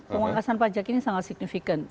pemangkasan pajak ini sangat signifikan